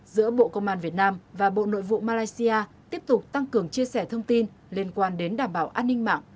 giữa bộ công an việt nam và bộ nội vụ malaysia tiếp tục tăng cường chia sẻ thông tin liên quan đến đảm bảo an ninh mạng